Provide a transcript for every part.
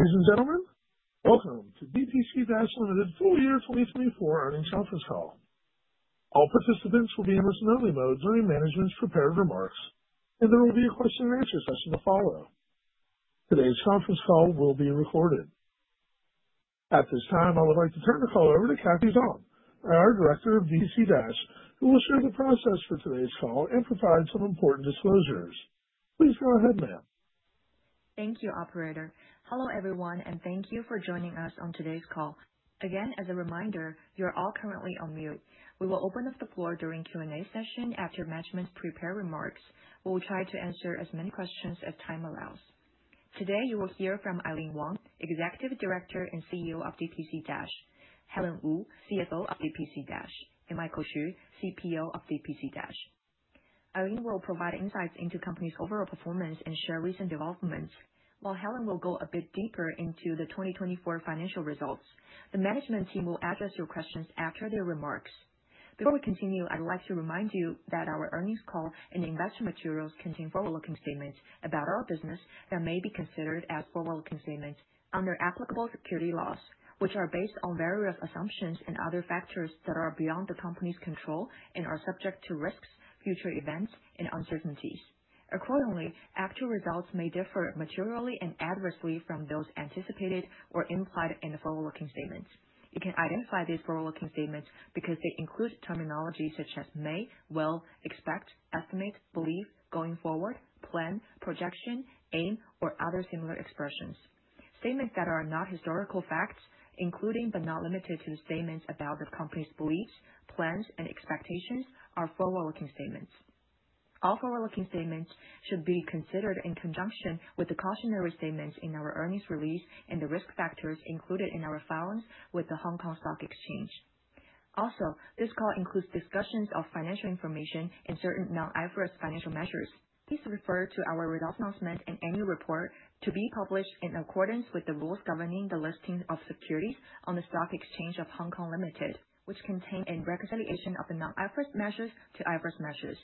Ladies and gentlemen, welcome to DPC Dash's Full Year 2024 Earnings Conference Call. All participants will be in listen-only mode during management's prepared remarks, and there will be a question-and-answer session to follow. Today's conference call will be recorded. At this time, I would like to turn the call over to Kathy Zhang, our Director of DPC Dash, who will share the process for today's call and provide some important disclosures. Please go ahead, ma'am. Thank you, Operator. Hello everyone, and thank you for joining us on today's call. Again, as a reminder, you are all currently on mute. We will open up the floor during the Q&A session after management's prepared remarks. We will try to answer as many questions as time allows. Today, you will hear from Aileen Wang, Executive Director and CEO of DPC Dash, Helen Wu, CFO of DPC Dash, and Michael Xu, CPO of DPC Dash. Aileen will provide insights into the company's overall performance and share recent developments, while Helen will go a bit deeper into the 2024 financial results. The management team will address your questions after their remarks. Before we continue, I'd like to remind you that our earnings call and investment materials contain forward-looking statements about our business that may be considered as forward-looking statements under applicable security laws, which are based on various assumptions and other factors that are beyond the company's control and are subject to risks, future events, and uncertainties. Accordingly, actual results may differ materially and adversely from those anticipated or implied in the forward-looking statements. You can identify these forward-looking statements because they include terminology such as may, will, expect, estimate, believe, going forward, plan, projection, aim, or other similar expressions. Statements that are not historical facts, including but not limited to statements about the company's beliefs, plans, and expectations, are forward-looking statements. All forward-looking statements should be considered in conjunction with the cautionary statements in our earnings release and the risk factors included in our filings with the Hong Kong Stock Exchange. Also, this call includes discussions of financial information and certain non-GAAP financial measures. Please refer to our results announcement and annual report to be published in accordance with the rules governing the listing of securities on the Stock Exchange of Hong Kong Limited, which contain a reconciliation of the non-GAAP measures to GAAP measures.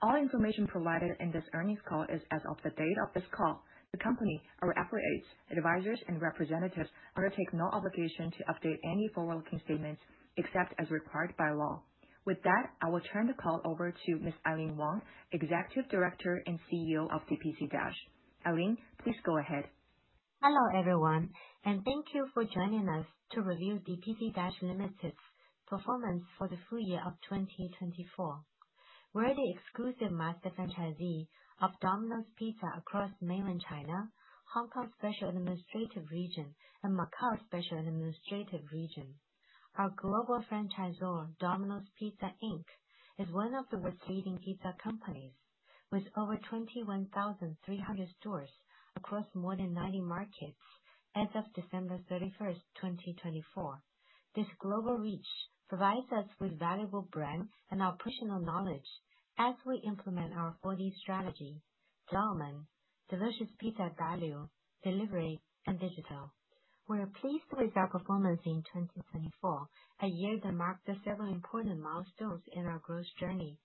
All information provided in this earnings call is as of the date of this call. The company, our affiliates, advisors, and representatives undertake no obligation to update any forward-looking statements except as required by law. With that, I will turn the call over to Ms. Aileen Wang, Executive Director and CEO of DPC Dash.Aileen, please go ahead. Hello everyone, and thank you for joining us to review DPC Dash Limited's performance for the full year of 2024. We're the exclusive master franchisee of Domino's Pizza across mainland China, Hong Kong Special Administrative Region, and Macau Special Administrative Region. Our global franchisor, Domino's Pizza Inc., is one of the world's leading pizza companies, with over 21,300 stores across more than 90 markets as of December 31st, 2024. This global reach provides us with valuable brand and operational knowledge as we implement our 4D strategy: development, delicious pizza value, delivery, and digital. We're pleased with our performance in 2024, a year that marked several important milestones in our growth journey.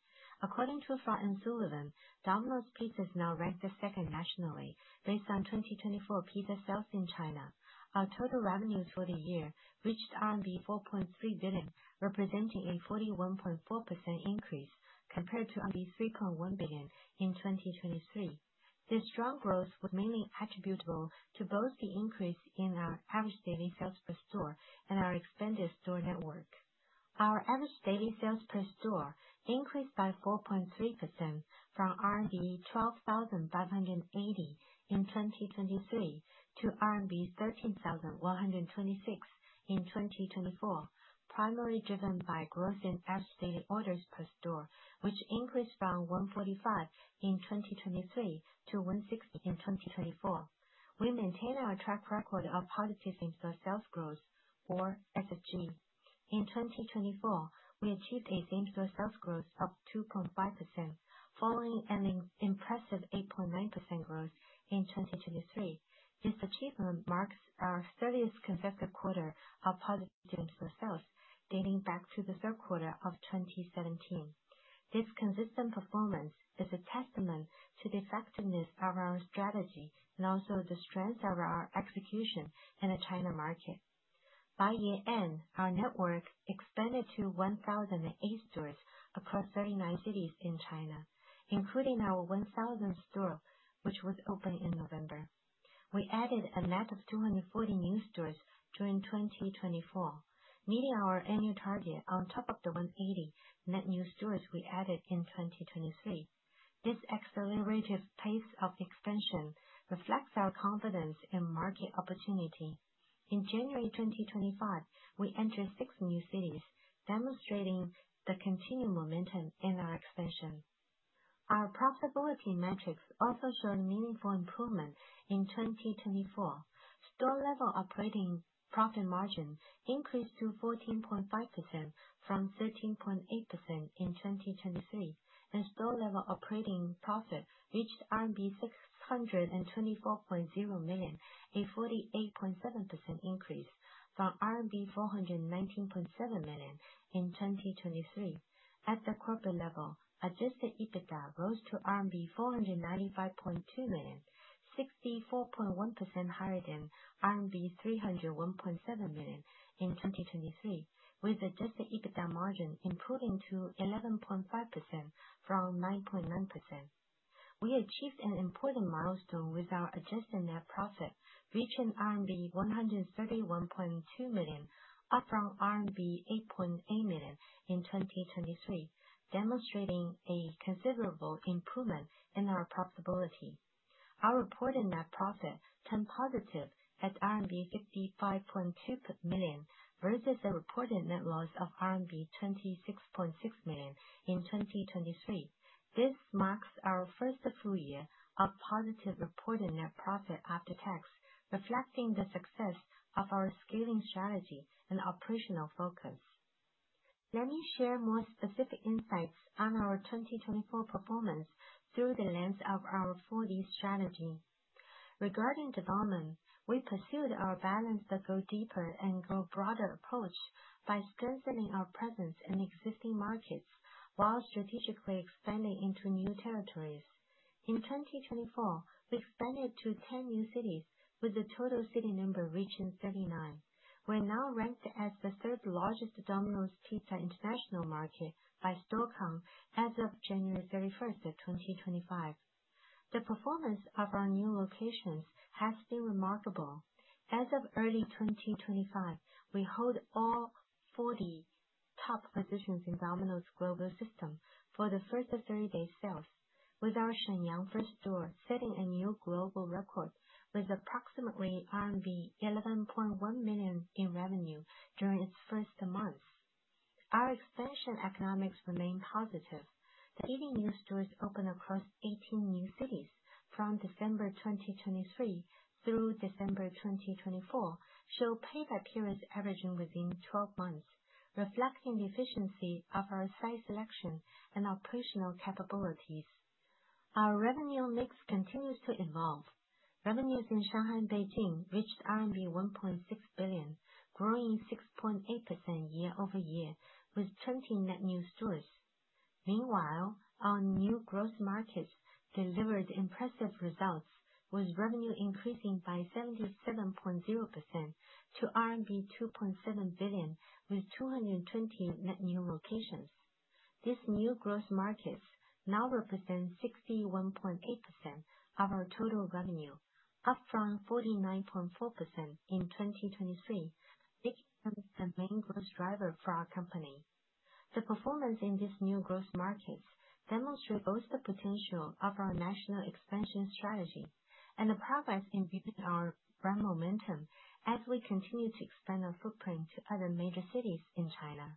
According to Frost & Sullivan, Domino's Pizza is now ranked the second nationally based on 2024 pizza sales in China. Our total revenues for the year reached RMB 4.3 billion, representing a 41.4% increase compared to RMB 3.1 billion in 2023. This strong growth was mainly attributable to both the increase in our average daily sales per store and our expanded store network. Our average daily sales per store increased by 4.3% from RMB 12,580 in 2023 to RMB 13,126 in 2024, primarily driven by growth in average daily orders per store, which increased from 145 in 2023 to 160 in 2024. We maintain our track record of positive same-store sales growth, or SSG. In 2024, we achieved a same-store sales growth of 2.5%, following an impressive 8.9% growth in 2023. This achievement marks our 30th consecutive quarter of positive same-store sales dating back to the third quarter of 2017. This consistent performance is a testament to the effectiveness of our strategy and also the strength of our execution in the China market. By year-end, our network expanded to 1,008 stores across 39 cities in China, including our 1,000th store, which was opened in November. We added a net of 240 new stores during 2024, meeting our annual target on top of the 180 net new stores we added in 2023. This accelerative pace of expansion reflects our confidence in market opportunity. In January 2025, we entered six new cities, demonstrating the continued momentum in our expansion. Our profitability metrics also showed meaningful improvement in 2024. Store-level operating profit margin increased to 14.5% from 13.8% in 2023, and store-level operating profit reached RMB 624.0 million, a 48.7% increase from RMB 419.7 million in 2023. At the corporate level, Adjusted EBITDA rose to RMB 495.2 million, 64.1% higher than RMB 301.7 million in 2023, with Adjusted EBITDA margin improving to 11.5% from 9.9%. We achieved an important milestone with our Adjusted Net Profit, reaching RMB 131.2 million, up from RMB 8.8 million in 2023, demonstrating a considerable improvement in our profitability. Our reported net profit turned positive at RMB 55.2 million versus the reported net loss of RMB 26.6 million in 2023. This marks our first full year of positive reported net profit after tax, reflecting the success of our scaling strategy and operational focus. Let me share more specific insights on our 2024 performance through the lens of our 4D strategy. Regarding development, we pursued our balanced go-deeper and go-broader approach by strengthening our presence in existing markets while strategically expanding into new territories. In 2024, we expanded to 10 new cities, with the total city number reaching 39. We're now ranked as the third-largest Domino's Pizza International market by store count as of January 31st, 2025. The performance of our new locations has been remarkable. As of early 2025, we hold all forty top positions in Domino's global system for the first 30-day sales, with our Shenyang first store setting a new global record with approximately RMB 11.1 million in revenue during its first month. Our expansion economics remain positive. The 80 new stores opened across 18 new cities from December 2023 through December 2024 show payback periods averaging within 12 months, reflecting the efficiency of our site selection and operational capabilities. Our revenue mix continues to evolve. Revenues in Shanghai and Beijing reached RMB 1.6 billion, growing 6.8% year-over-year with 20 net new stores. Meanwhile, our new growth markets delivered impressive results, with revenue increasing by 77.0% to RMB 2.7 billion with 220 net new locations. These new growth markets now represent 61.8% of our total revenue, up from 49.4% in 2023, making them the main growth driver for our company. The performance in these new growth markets demonstrates both the potential of our national expansion strategy and the progress in building our brand momentum as we continue to expand our footprint to other major cities in China.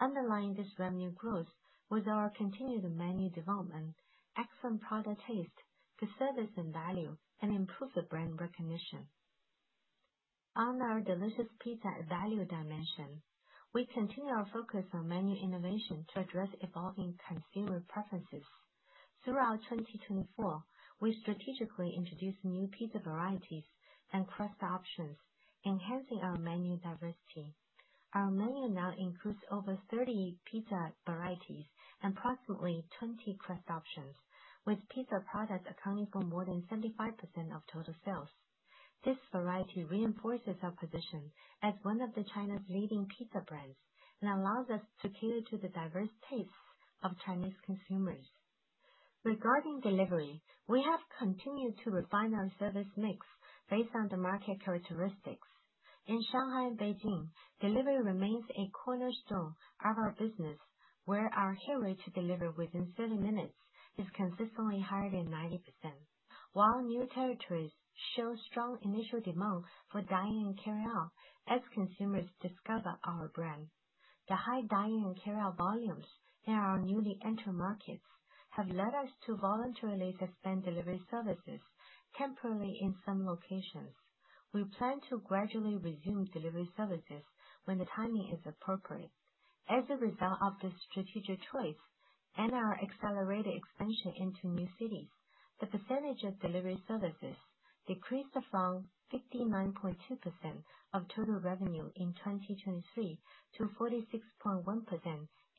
Underlying this revenue growth, with our continued menu development, excellent product taste, good service and value, and improved brand recognition. On our delicious pizza value dimension, we continue our focus on menu innovation to address evolving consumer preferences. Throughout 2024, we strategically introduced new pizza varieties and craft options, enhancing our menu diversity. Our menu now includes over 30 pizza varieties and approximately 20 craft options, with pizza products accounting for more than 75% of total sales. This variety reinforces our position as one of China's leading pizza brands and allows us to cater to the diverse tastes of Chinese consumers. Regarding delivery, we have continued to refine our service mix based on the market characteristics. In Shanghai and Beijing, delivery remains a cornerstone of our business, where our goal to deliver within 30 minutes is consistently higher than 90%, while new territories show strong initial demand for dine-in carry-out as consumers discover our brand. The high dine-in carry-out volumes in our newly entered markets have led us to voluntarily suspend delivery services temporarily in some locations. We plan to gradually resume delivery services when the timing is appropriate. As a result of this strategic choice and our accelerated expansion into new cities, the percentage of delivery services decreased from 59.2% of total revenue in 2023 to 46.1%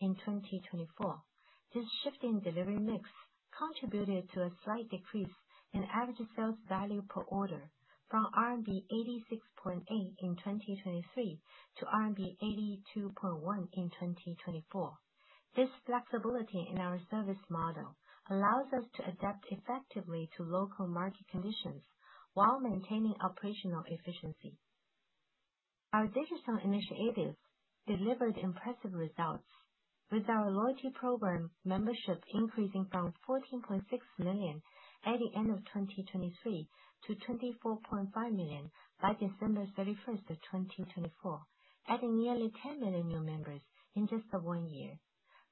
in 2024. This shift in delivery mix contributed to a slight decrease in average sales value per order from RMB 86.8 in 2023 to RMB 82.1 in 2024. This flexibility in our service model allows us to adapt effectively to local market conditions while maintaining operational efficiency. Our digital initiatives delivered impressive results, with our loyalty program membership increasing from 14.6 million at the end of 2023 to 24.5 million by December 31st, 2024, adding nearly 10 million new members in just one year.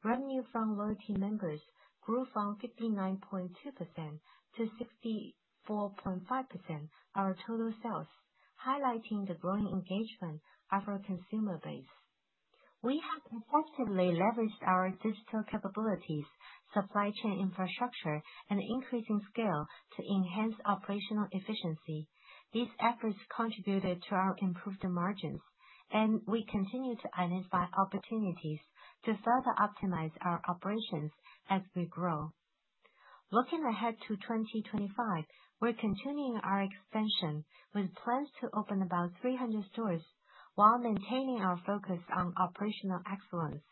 Revenue from loyalty members grew from 59.2% to 64.5% of our total sales, highlighting the growing engagement of our consumer base. We have effectively leveraged our digital capabilities, supply chain infrastructure, and increasing scale to enhance operational efficiency. These efforts contributed to our improved margins, and we continue to identify opportunities to further optimize our operations as we grow. Looking ahead to 2025, we're continuing our expansion with plans to open about 300 stores while maintaining our focus on operational excellence,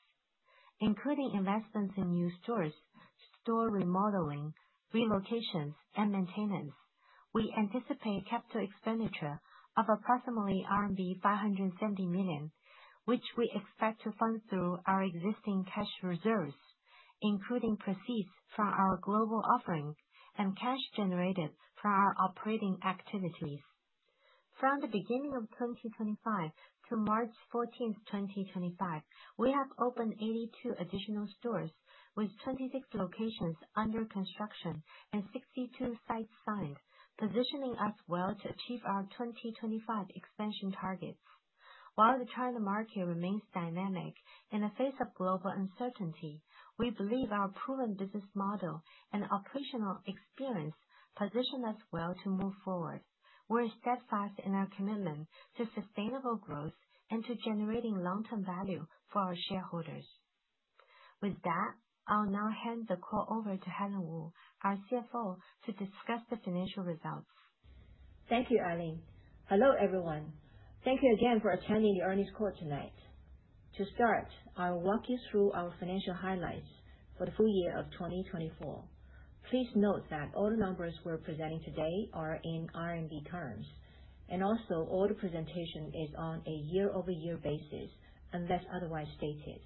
including investments in new stores, store remodeling, relocations, and maintenance. We anticipate capital expenditure of approximately RMB 570 million, which we expect to fund through our existing cash reserves, including proceeds from our global offering and cash generated from our operating activities. From the beginning of 2025 to March 14th, 2025, we have opened 82 additional stores with 26 locations under construction and 62 sites signed, positioning us well to achieve our 2025 expansion targets. While the China market remains dynamic in the face of global uncertainty, we believe our proven business model and operational experience position us well to move forward. We're steadfast in our commitment to sustainable growth and to generating long-term value for our shareholders. With that, I'll now hand the call over to Helen Wu, our CFO, to discuss the financial results. Thank you, Aileen. Hello everyone. Thank you again for attending the earnings call tonight. To start, I'll walk you through our financial highlights for the full year of 2024. Please note that all the numbers we're presenting today are in RMB terms, and also all the presentation is on a year-over-year basis unless otherwise stated.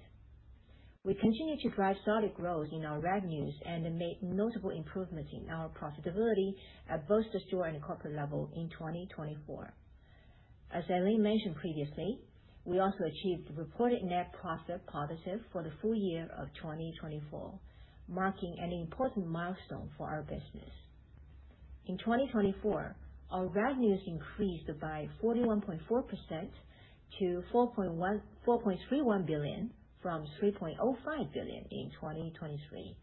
We continue to drive solid growth in our revenues and made notable improvements in our profitability at both the store and corporate level in 2024. As Aileen mentioned previously, we also achieved reported net profit positive for the full year of 2024, marking an important milestone for our business. In 2024, our revenues increased by 41.4% to 4.31 billion from 3.05 billion in 2023.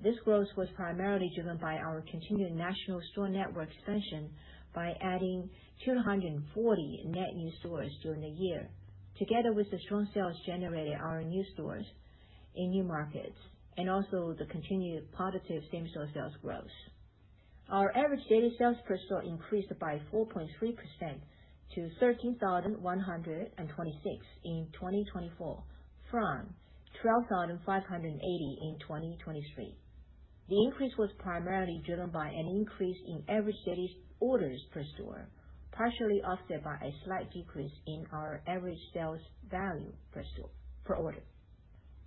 This growth was primarily driven by our continued national store network expansion by adding 240 net new stores during the year, together with the strong sales generated at our new stores in new markets and also the continued positive same-store sales growth. Our average daily sales per store increased by 4.3% to 13,126 in 2024 from 12,580 in 2023. The increase was primarily driven by an increase in average daily orders per store, partially offset by a slight decrease in our average sales value per store.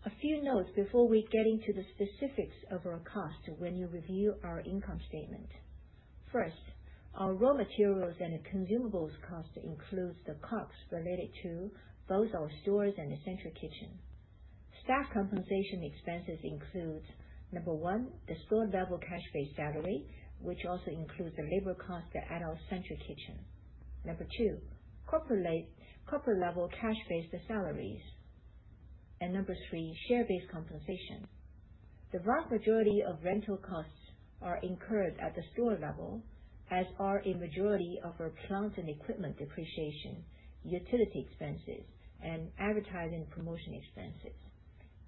A few notes before we get into the specifics of our costs when you review our income statement. First, our raw materials and consumables costs include the costs related to both our stores and the central kitchen. Staff compensation expenses include number one, the store-level cash-based salary, which also includes the labor costs at our central kitchen. Number two, corporate-level cash-based salaries. And number three, share-based compensation. The vast majority of rental costs are incurred at the store level, as are a majority of our plant and equipment depreciation, utility expenses, and advertising promotion expenses.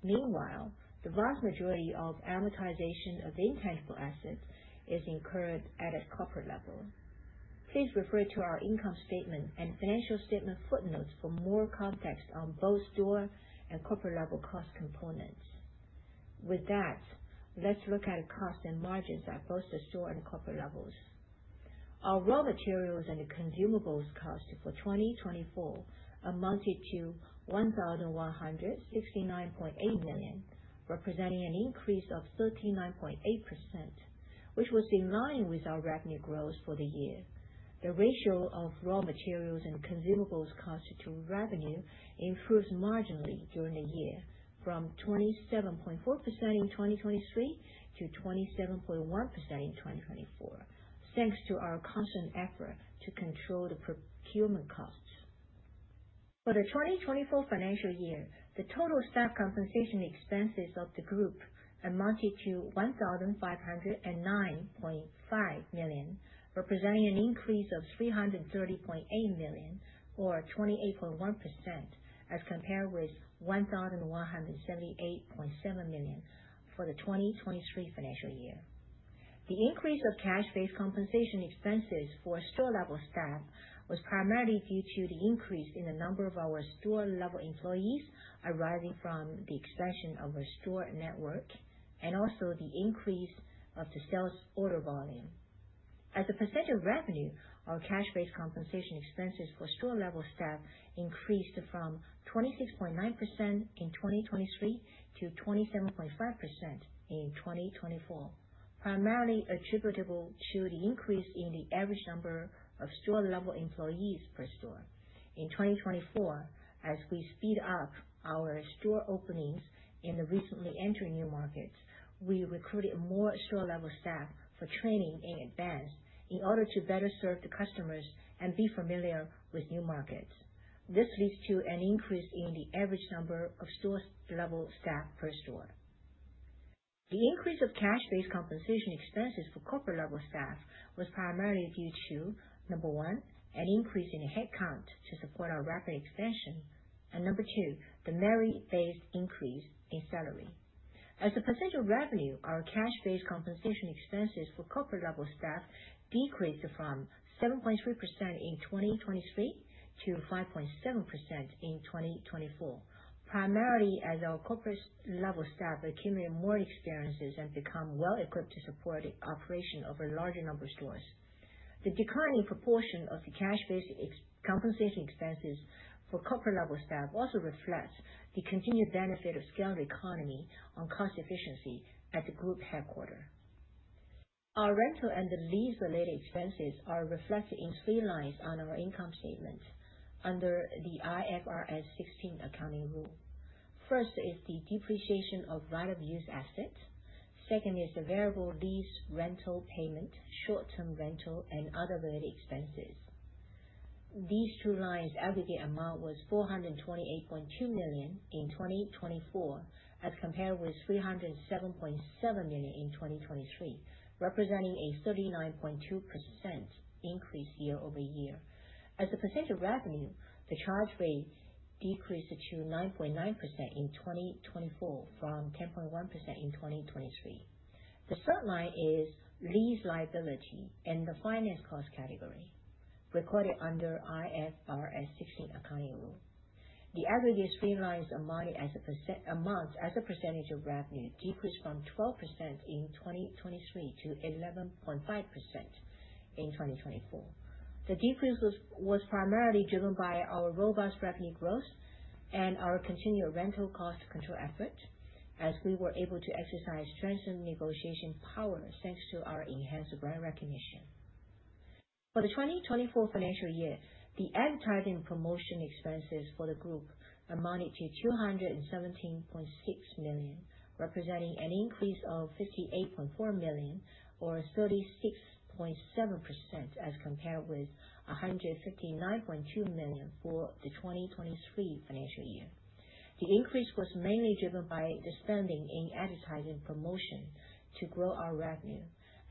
Meanwhile, the vast majority of amortization of intangible assets is incurred at a corporate level. Please refer to our income statement and financial statement footnotes for more context on both store and corporate-level cost components. With that, let's look at the costs and margins at both the store and corporate levels. Our raw materials and consumables costs for 2024 amounted to 1,169.8 million, representing an increase of 39.8%, which was in line with our revenue growth for the year. The ratio of raw materials and consumables costs to revenue improved marginally during the year from 27.4% in 2023 to 27.1% in 2024, thanks to our constant effort to control the procurement costs. For the 2024 financial year, the total staff compensation expenses of the group amounted to 1,509.5 million, representing an increase of 330.8 million or 28.1%, as compared with 1,178.7 million for the 2023 financial year. The increase of cash-based compensation expenses for store-level staff was primarily due to the increase in the number of our store-level employees arising from the expansion of our store network and also the increase of the sales order volume. As a % of revenue, our cash-based compensation expenses for store-level staff increased from 26.9% in 2023 to 27.5% in 2024, primarily attributable to the increase in the average number of store-level employees per store. In 2024, as we speed up our store openings in the recently entering new markets, we recruited more store-level staff for training in advance in order to better serve the customers and be familiar with new markets. This leads to an increase in the average number of store-level staff per store. The increase of cash-based compensation expenses for corporate-level staff was primarily due to, number one, an increase in headcount to support our rapid expansion, and number two, the merit-based increase in salary. As a percent of revenue, our cash-based compensation expenses for corporate-level staff decreased from 7.3% in 2023 to 5.7% in 2024, primarily as our corporate-level staff accumulate more experiences and become well-equipped to support the operation of a larger number of stores. The declining proportion of the cash-based compensation expenses for corporate-level staff also reflects the continued benefit of scaling the economy on cost efficiency at the group headquarter. Our rental and the lease-related expenses are reflected in three lines on our income statement under the IFRS 16 accounting rule. First is the depreciation of right-of-use assets. Second is the variable lease rental payment, short-term rental, and other related expenses. These two lines aggregate amount was 428.2 million in 2024, as compared with 307.7 million in 2023, representing a 39.2% increase year-over-year. As a % of revenue, the charge rate decreased to 9.9% in 2024 from 10.1% in 2023. The third line is lease liability and the finance cost category recorded under IFRS 16 accounting rule. The aggregate three lines amount as a percent of revenue decreased from 12% in 2023 to 11.5% in 2024. The decrease was primarily driven by our robust revenue growth and our continued rental cost control effort, as we were able to exercise strengthened negotiation power thanks to our enhanced brand recognition. For the 2024 financial year, the advertising promotion expenses for the group amounted to 217.6 million, representing an increase of 58.4 million or 36.7%, as compared with 159.2 million for the 2023 financial year. The increase was mainly driven by the spending in advertising promotion to grow our revenue.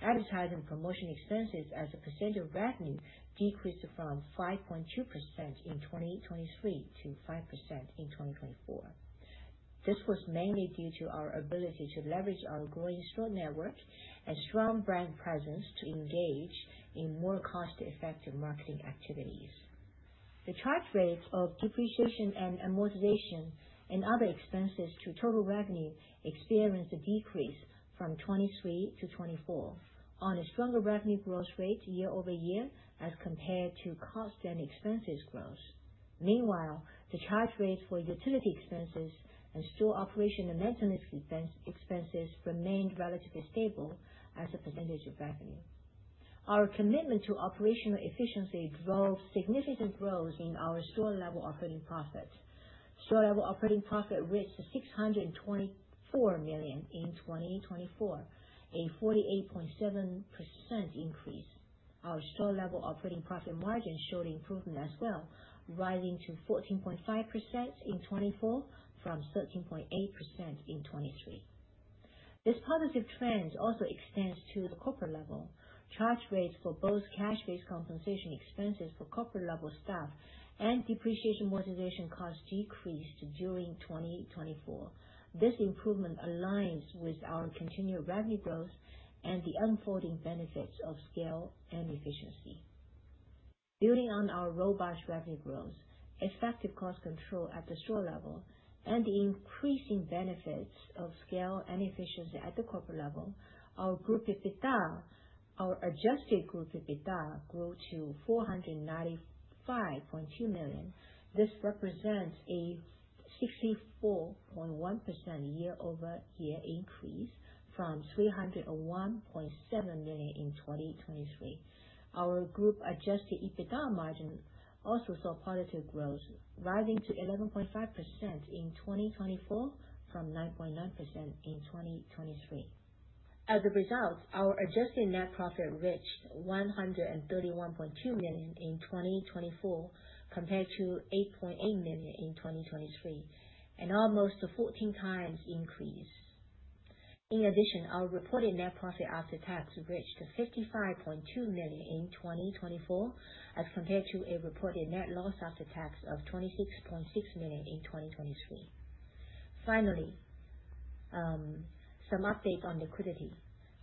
Advertising promotion expenses, as a percent of revenue, decreased from 5.2% in 2023 to 5% in 2024. This was mainly due to our ability to leverage our growing store network and strong brand presence to engage in more cost-effective marketing activities. The charge rates of depreciation and amortization and other expenses to total revenue experienced a decrease from 2023 to 2024 on a stronger revenue growth rate year-over-year as compared to cost and expenses growth. Meanwhile, the charge rates for utility expenses and store operation and maintenance expenses remained relatively stable as a percentage of revenue. Our commitment to operational efficiency drove significant growth in our store-level operating profit. Store-level operating profit reached 624 million in 2024, a 48.7% increase. Our store-level operating profit margin showed improvement as well, rising to 14.5% in 2024 from 13.8% in 2023. This positive trend also extends to the corporate level. Charge rates for both cash-based compensation expenses for corporate-level staff and depreciation and amortization costs decreased during 2024. This improvement aligns with our continued revenue growth and the unfolding benefits of scale and efficiency. Building on our robust revenue growth, effective cost control at the store level, and the increasing benefits of scale and efficiency at the corporate level, our group EBITDA, our Adjusted group EBITDA, grew to 495.2 million. This represents a 64.1% year-over-year increase from 301.7 million in 2023. Our group Adjusted EBITDA margin also saw positive growth, rising to 11.5% in 2024 from 9.9% in 2023. As a result, our Adjusted net profit reached 131.2 million in 2024 compared to 8.8 million in 2023, an almost 14 times increase. In addition, our reported net profit after tax reached 55.2 million in 2024 as compared to a reported net loss after tax of 26.6 million in 2023. Finally, some updates on liquidity.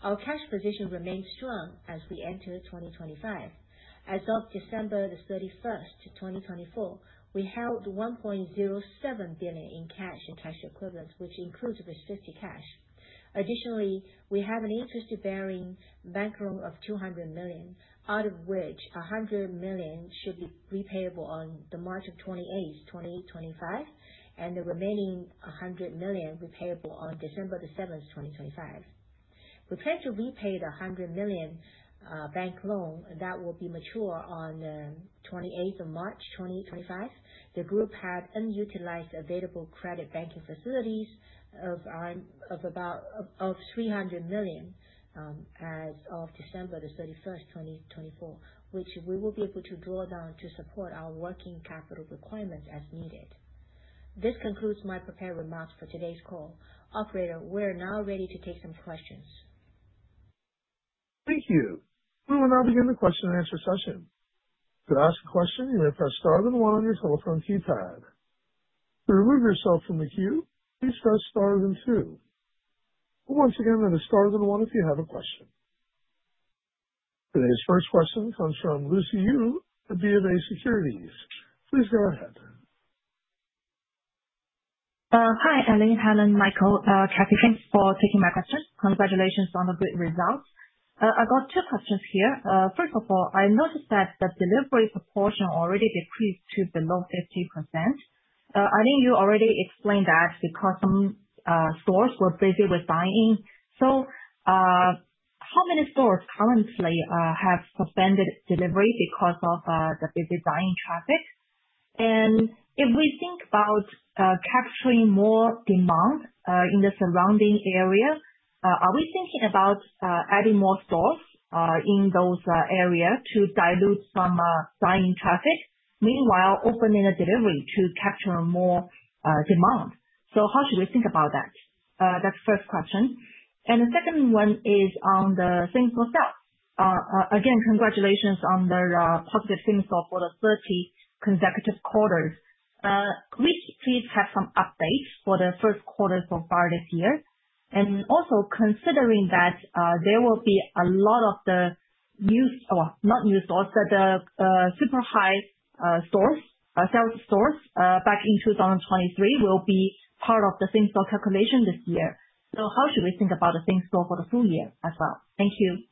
Our cash position remained strong as we entered 2025. As of December 31st, 2024, we held 1.07 billion in cash and cash equivalents, which includes restricted cash. Additionally, we have an interest-bearing bank loan of 200 million, out of which 100 million should be repayable on March 28, 2025, and the remaining 100 million repayable on December 7, 2025. We plan to repay the 100 million bank loan that will be mature on March 28, 2025. The group had unutilized available credit banking facilities of about 300 million as of December 31, 2024, which we will be able to draw down to support our working capital requirements as needed. This concludes my prepared remarks for today's call. Operator, we are now ready to take some questions. Thank you. We will now begin the question-and-answer session. To ask a question, you may press star and one on your telephone keypad. To remove yourself from the queue, please press star and two. Once again, that is star and one if you have a question. Today's first question comes from Lucy Yu at BofA Securities. Please go ahead. Hi, Aileen, Helen, Michael, Kathy, thanks for taking my question. Congratulations on the good results. I got two questions here. First of all, I noticed that the delivery proportion already decreased to below 50%. I think you already explained that because some stores were busy with buying. So how many stores currently have suspended delivery because of the busy dine-in traffic? And if we think about capturing more demand in the surrounding area, are we thinking about adding more stores in those areas to dilute some dine-in traffic, meanwhile opening a delivery to capture more demand? So how should we think about that? That's the first question. The second one is on the same-store sales. Again, congratulations on the positive sales for the 30 consecutive quarters. We should please have some updates for the first quarter so far this year. Also, considering that there will be a lot of the new, well, not new stores, but the super high sales stores back in 2023 will be part of the same-store calculation this year. How should we think about the same-store for the full year as well? Thank you.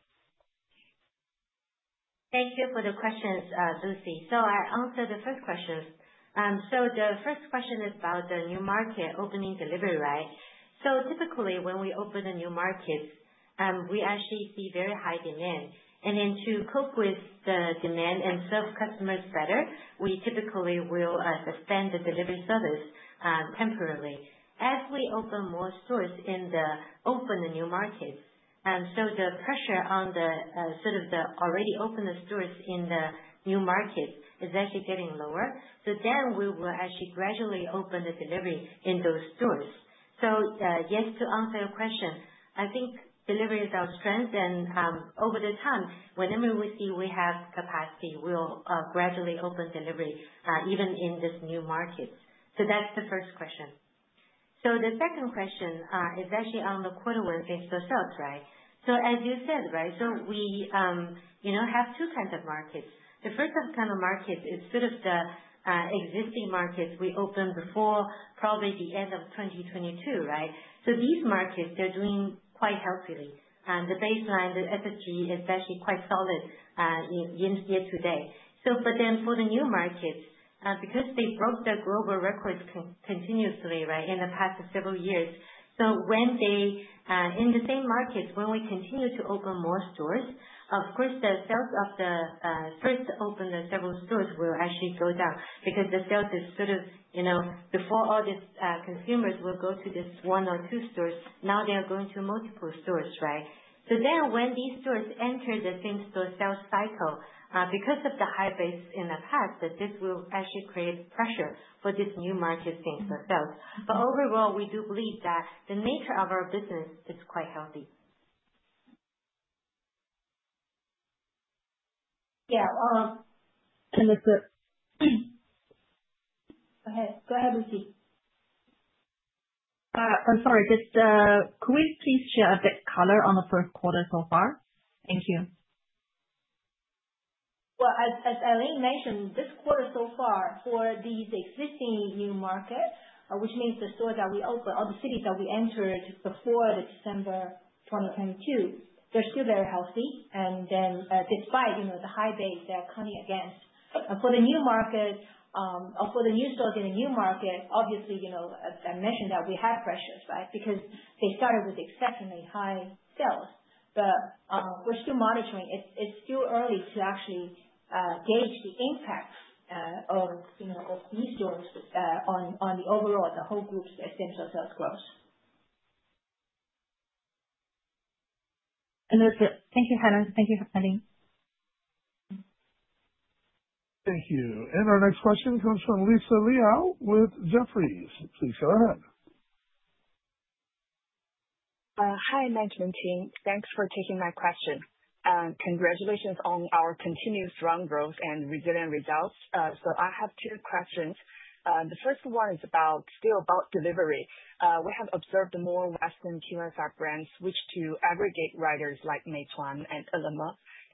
Thank you for the questions, Lucy. I answered the first question. The first question is about the new market opening delivery, right? Typically, when we open a new market, we actually see very high demand. Then to cope with the demand and serve customers better, we typically will suspend the delivery service temporarily. As we open more stores in the open new markets, so the pressure on the sort of the already opened stores in the new markets is actually getting lower. So then we will actually gradually open the delivery in those stores. So yes, to answer your question, I think delivery is our strength. And over the time, whenever we see we have capacity, we'll gradually open delivery even in this new market. So that's the first question. So the second question is actually on the quarter one same store sales, right? So as you said, right, so we have two kinds of markets. The first kind of market is sort of the existing markets we opened before, probably the end of 2022, right? So these markets, they're doing quite healthily. The baseline, the SSG, is actually quite solid year to date. But then for the new markets, because they broke the global records continuously, right, in the past several years, so when they in the same markets, when we continue to open more stores, of course, the sales of the first opened several stores will actually go down because the sales is sort of before all these consumers will go to this one or two stores, now they are going to multiple stores, right? So then when these stores enter the same-store sales cycle, because of the high base in the past, this will actually create pressure for this new market same-store sales. But overall, we do believe that the nature of our business is quite healthy. Yeah. Go ahead. Go ahead, Lucy. I'm sorry. Just could we please share a bit color on the first quarter so far? Thank you. As Aileen mentioned, this quarter so far for these existing new markets, which means the stores that we opened, all the cities that we entered before December 2022, they're still very healthy. And then despite the high base, they're coming against. For the new market, for the new stores in the new market, obviously, as I mentioned, that we have pressures, right, because they started with exceptionally high sales. But we're still monitoring. It's still early to actually gauge the impact of these stores on the overall, the whole group's same store sales growth. Thank you, Helen. Thank you Aileen Thank you. Our next question comes from Lisa Liao with Jefferies. Please go ahead. Hi, Management Team. Thanks for taking my question. Congratulations on our continued strong growth and resilient results. I have two questions. The first one is still about delivery. We have observed more Western QSR brands switch to aggregator riders like Meituan and Ele.me,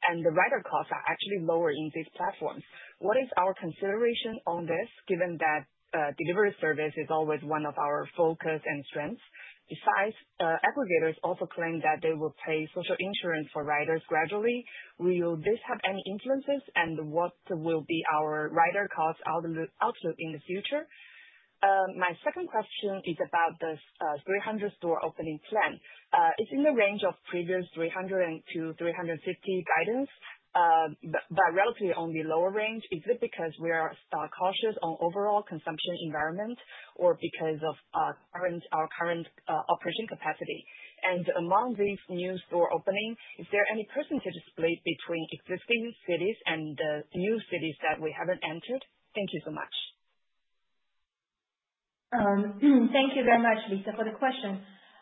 and the rider costs are actually lower in these platforms. What is our consideration on this, given that delivery service is always one of our focus and strengths? Besides, aggregators also claim that they will pay social insurance for riders gradually. Will this have any influences, and what will be our rider cost outlook in the future? My second question is about the 300-store opening plan. It's in the range of previous 300-350 guidance, but relatively on the lower range. Is it because we are cautious on overall consumption environment or because of our current operation capacity? And among these new store opening, is there any percentage split between existing cities and the new cities that we haven't entered? Thank you so much. Thank you very much, Lisa, for the question.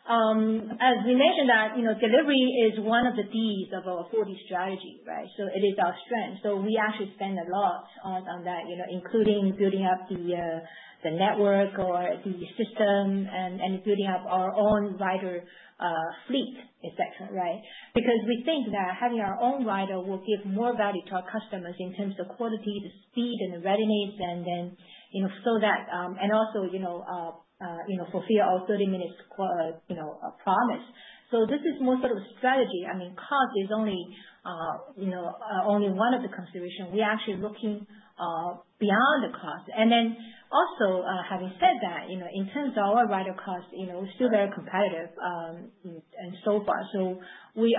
As we mentioned, delivery is one of the Ds of our 4-D Strategy, right? So it is our strength. We actually spend a lot on that, including building up the network or the system and building up our own rider fleet, etc., right? Because we think that having our own rider will give more value to our customers in terms of quality, the speed, and the readiness, and then fill that and also fulfill our 30-minute promise. This is more sort of a strategy. I mean, cost is only one of the considerations. We're actually looking beyond the cost. Having said that, in terms of our rider costs, we're still very competitive so far. We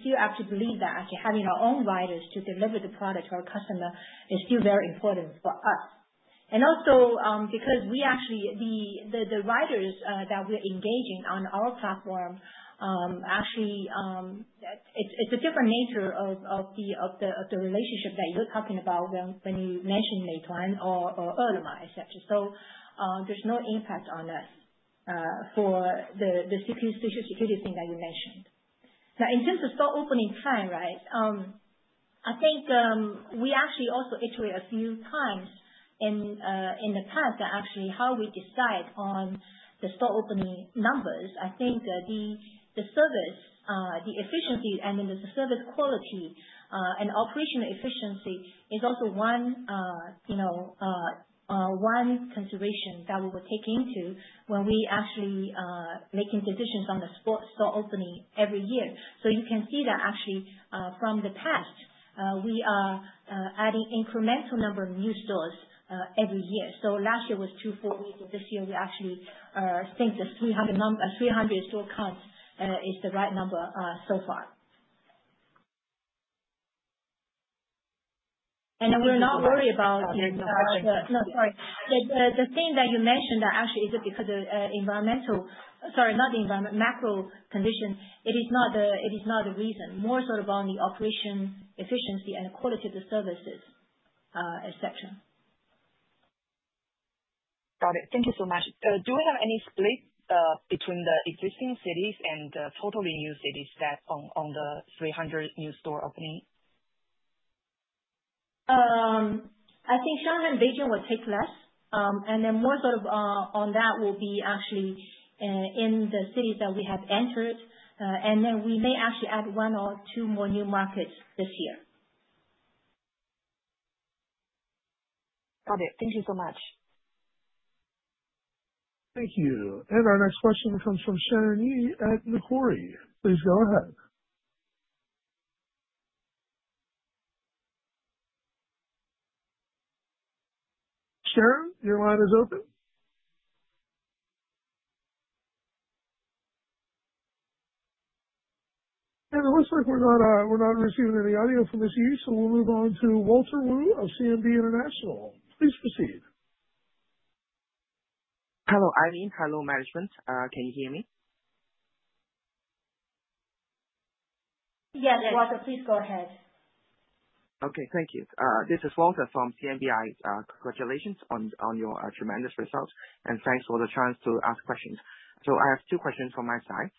still actually believe that actually having our own riders to deliver the product to our customer is still very important for us. Also because we actually the riders that we're engaging on our platform, actually, it's a different nature of the relationship that you're talking about when you mentioned Meituan or Ele.me, etc. There's no impact on us for the social security thing that you mentioned. Now, in terms of store opening time, right, I think we actually also iterated a few times in the past that actually how we decide on the store opening numbers. I think the service, the efficiency, and then the service quality and operational efficiency is also one consideration that we will take into when we actually make decisions on the store opening every year. You can see that actually from the past, we are adding incremental number of new stores every year. Last year was two or four weeks. This year, we actually think the 300-store count is the right number so far. We're not worried about. No, sorry. The thing that you mentioned that actually is it because of environmental—sorry, not the environment, macro condition. It is not the reason. More sort of on the operation efficiency and the quality of the services, etc. Got it. Thank you so much. Do we have any split between the existing cities and the totally new cities that on the 300 new store opening? I think Shanghai and Beijing will take less. More sort of on that will be actually in the cities that we have entered. We may actually add one or two more new markets this year. Got it. Thank you so much. Thank you. Our next question comes from Sharon Yi at Nomura. Please go ahead. Sharon, your line is open. It looks like we're not receiving any audio from Ms. Yi, so we'll move on to Walter Woo of CMB International. Please proceed. Hello, Aileen. Hello, Management. Can you hear me? Yes, Walter, please go ahead. Okay. Thank you. This is Walter from CMBI. Congratulations on your tremendous results, and thanks for the chance to ask questions. I have two questions from my side.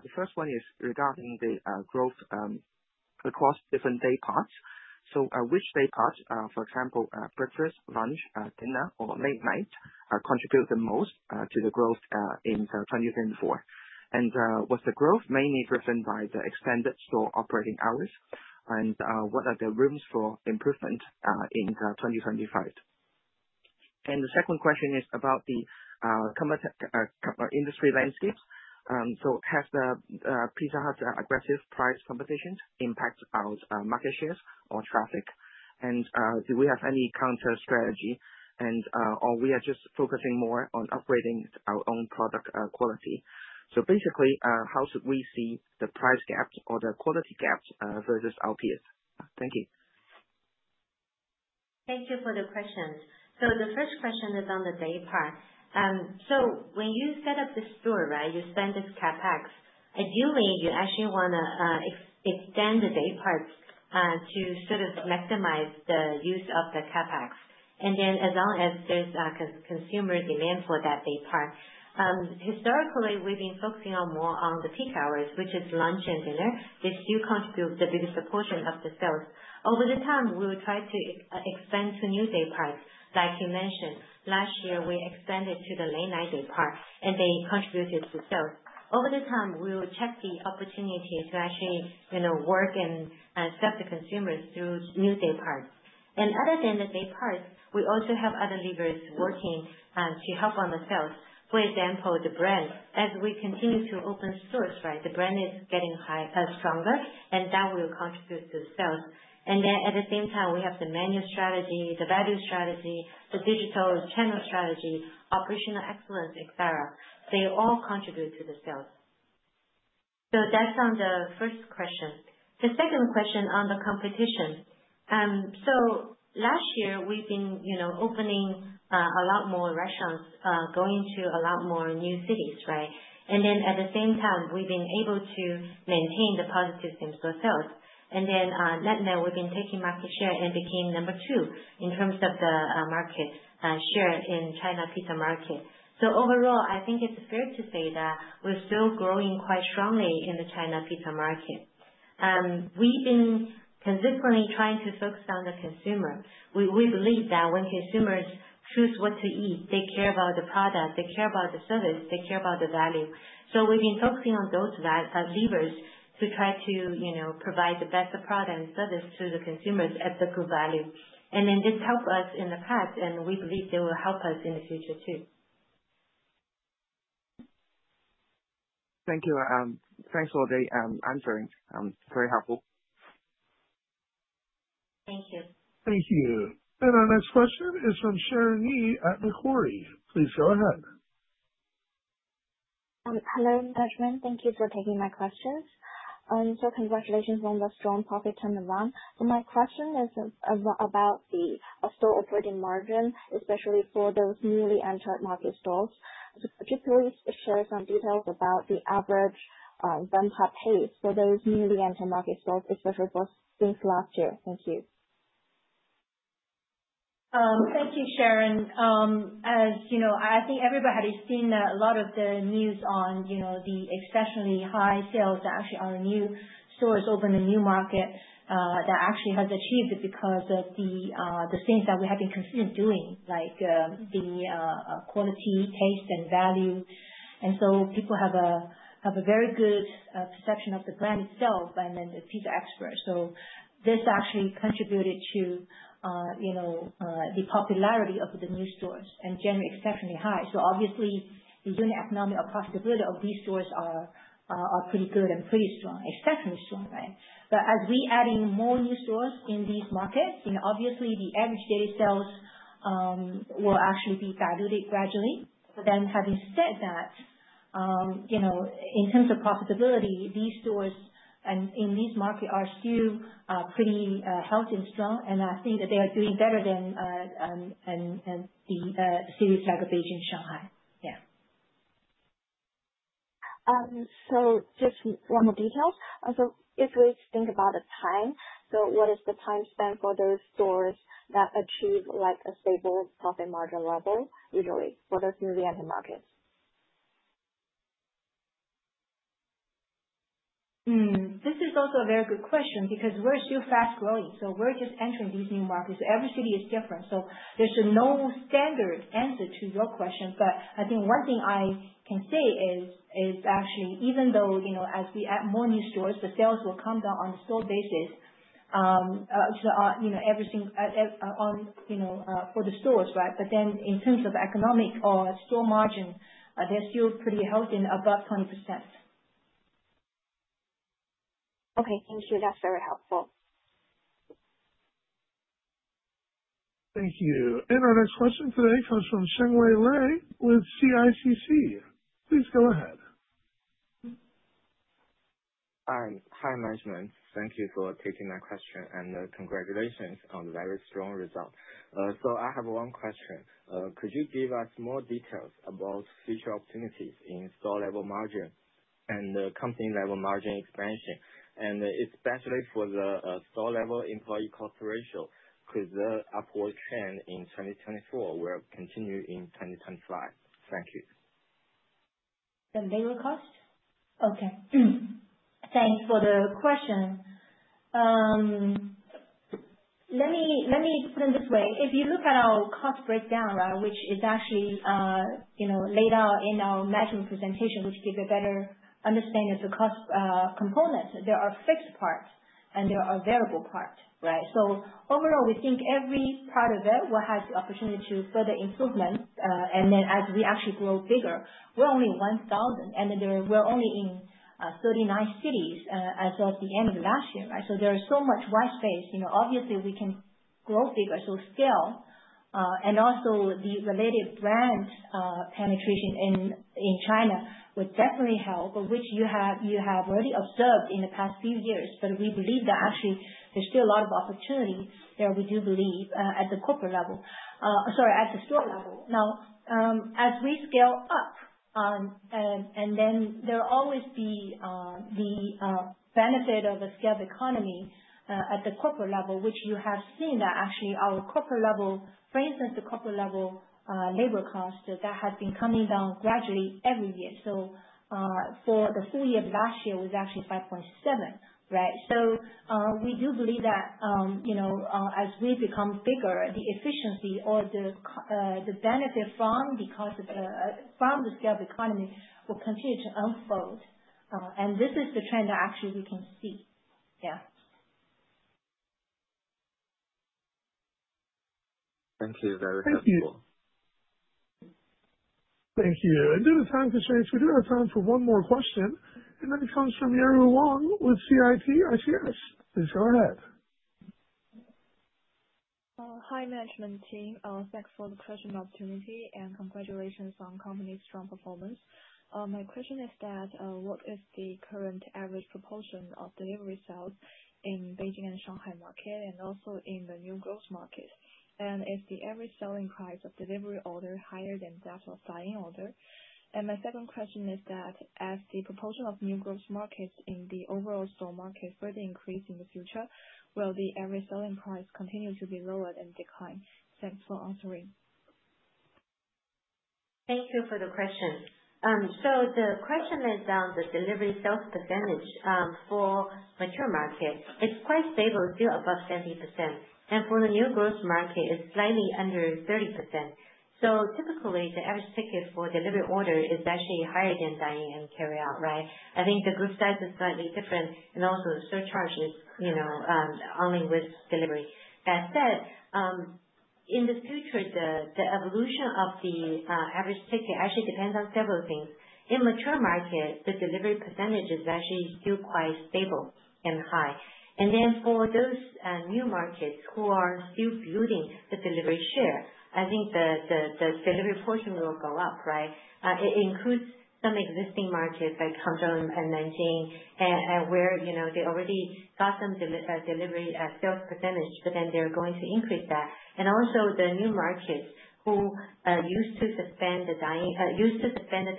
The first one is regarding the growth across different day parts. Which day part, for example, breakfast, lunch, dinner, or late night contribute the most to the growth in 2024? And was the growth mainly driven by the extended store operating hours? And what are the rooms for improvement in 2025? The second question is about the industry landscape. Has the Pizza Hut aggressive price competition impacted our market shares or traffic? And do we have any counter strategy, or we are just focusing more on upgrading our own product quality? So basically, how should we see the price gaps or the quality gaps versus our peers? Thank you. Thank you for the questions. So the first question is on the day part. So when you set up the store, right, you spend this CapEx. Ideally, you actually want to extend the day parts to sort of maximize the use of the CapEx. And then as long as there's consumer demand for that day part, historically, we've been focusing more on the peak hours, which is lunch and dinner. They still contribute the biggest portion of the sales. Over time, we will try to expand to new day parts. Like you mentioned, last year, we expanded to the late-night day part, and they contributed to sales. Over time, we will check the opportunity to actually work and serve the consumers through new day parts. And other than the day parts, we also have other levers working to help on the sales. For example, the brand, as we continue to open stores, right, the brand is getting stronger, and that will contribute to sales. And then at the same time, we have the menu strategy, the value strategy, the digital channel strategy, operational excellence, etc. They all contribute to the sales. So that's on the first question. The second question on the competition. So last year, we've been opening a lot more restaurants, going to a lot more new cities, right? And then at the same time, we've been able to maintain the positive same store sales. And then net, we've been taking market share and became number two in terms of the market share in the China pizza market. So overall, I think it's fair to say that we're still growing quite strongly in the China pizza market. We've been consistently trying to focus on the consumer. We believe that when consumers choose what to eat, they care about the product, they care about the service, they care about the value. So we've been focusing on those levers to try to provide the best product and service to the consumers at the good value. And then this helped us in the past, and we believe they will help us in the future too. Thank you. Thanks for answering. Very helpful. Thank you. Thank you. And our next question is from Sharon Yi at Nomura. Please go ahead. Hello, Management. Thank you for taking my questions. Congratulations on the strong profit turnaround. My question is about the store operating margin, especially for those newly entered market stores. Could you please share some details about the average rental paid for those newly entered market stores, especially for since last year? Thank you. Thank you, Sharon. As you know, I think everybody has seen a lot of the news on the exceptionally high sales that actually are new stores opening a new market that actually has achieved it because of the things that we have been consistently doing, like the quality, taste, and value. People have a very good perception of the brand itself and then the pizza experts. This actually contributed to the popularity of the new stores and generally exceptionally high. Obviously, the unit economic profitability of these stores are pretty good and pretty strong, exceptionally strong, right? But as we add in more new stores in these markets, obviously, the average daily sales will actually be diluted gradually. But then having said that, in terms of profitability, these stores in these markets are still pretty healthy and strong, and I think that they are doing better than the cities like Beijing and Shanghai. Yeah. So just one more detail. So if we think about the time, so what is the time spent for those stores that achieve a stable profit margin level usually for those newly entered markets? This is also a very good question because we're still fast growing. So we're just entering these new markets. Every city is different. So there's no standard answer to your question, but I think one thing I can say is actually, even though as we add more new stores, the sales will come down on a slow basis for the stores, right? But then in terms of economic or store margin, they're still pretty healthy and above 20%. Okay. Thank you. That's very helpful. Thank you. And our next question today comes from Shengwei Lei with CICC. Please go ahead. Hi, Management. Thank you for taking my question, and congratulations on the very strong result. So I have one question. Could you give us more details about future opportunities in store-level margin and company-level margin expansion, and especially for the store-level employee cost ratio? Could the upward trend in 2024 continue in 2025? Thank you. The labor cost? Okay. Thanks for the question. Let me put it this way. If you look at our cost breakdown, right, which is actually laid out in our management presentation, which gives a better understanding of the cost components, there are fixed parts and there are variable parts, right? So overall, we think every part of it will have the opportunity for the improvement. And then as we actually grow bigger, we're only 1,000, and then we're only in 39 cities as of the end of last year, right? So there is so much white space. Obviously, we can grow bigger, so scale. And also the related brand penetration in China would definitely help, which you have already observed in the past few years. But we believe that actually there's still a lot of opportunity there, we do believe, at the corporate level, sorry, at the store level. Now, as we scale up, and then there will always be the benefit of a scaled economy at the corporate level, which you have seen that actually our corporate level, for instance, the corporate level labor costs that have been coming down gradually every year. So for the full year of last year, it was actually 5.7, right? So we do believe that as we become bigger, the efficiency or the benefit from the scaled economy will continue to unfold. And this is the trend that actually we can see. Yeah. Thank you. That is helpful. Thank you. And due to time constraints, we do have time for one more question. And that comes from Ye Wang with CITIC Securities. Please go ahead. Hi, Management Team. Thanks for the question opportunity, and congratulations on company's strong performance. My question is that what is the current average proportion of delivery sales in Beijing and Shanghai market, and also in the new growth market? And is the average selling price of delivery order higher than that of buying order? And my second question is that as the proportion of new growth markets in the overall store market further increase in the future, will the average selling price continue to be lower and decline? Thanks for answering. Thank you for the question. So the question is on the delivery sales percentage for mature market. It's quite stable, still above 70%. And for the new growth market, it's slightly under 30%. So typically, the average ticket for delivery order is actually higher than buying and carry-out, right? I think the group size is slightly different, and also the surcharge is only with delivery. That said, in the future, the evolution of the average ticket actually depends on several things. In mature market, the delivery percentage is actually still quite stable and high, and then for those new markets who are still building the delivery share, I think the delivery portion will go up, right? It includes some existing markets like Hangzhou and Nanjing, where they already got some delivery sales percentage, but then they're going to increase that, and also the new markets who used to suspend the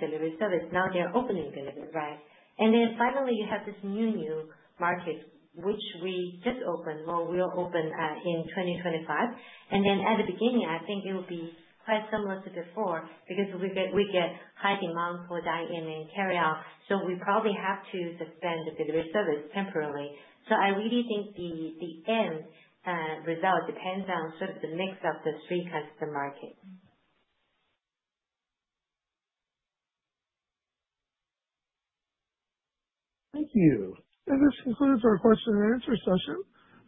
delivery service, now they're opening delivery, right, and then finally, you have this new market, which we just opened or will open in 2025, and then at the beginning, I think it will be quite similar to before because we get high demand for buying and carry-out, so we probably have to suspend the delivery service temporarily. So I really think the end result depends on sort of the mix of the three kinds of markets. Thank you. And this concludes our question and answer session.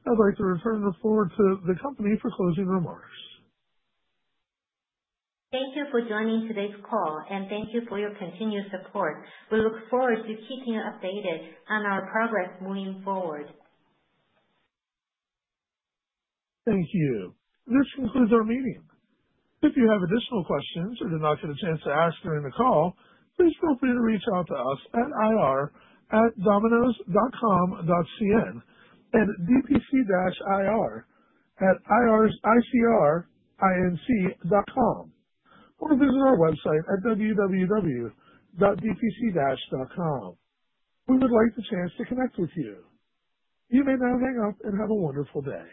I'd like to return the floor to the company for closing remarks. Thank you for joining today's call, and thank you for your continued support. We look forward to keeping you updated on our progress moving forward. Thank you. This concludes our meeting. If you have additional questions or did not get a chance to ask during the call, please feel free to reach out to us at ir@dominos.com.cn and dpc-ir@icrinc.com, or visit our website at www.dpcdash.com. We would like the chance to connect with you. You may now hang up and have a wonderful day.